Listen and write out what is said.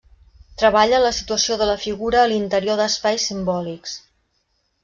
Treballa la situació de la figura a l'interior d'espais simbòlics.